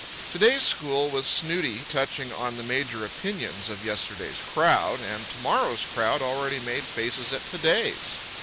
To day's school was snooty touching on the major opinions of yesterday's crowd, and to morrow's crowd already made faces at to day's.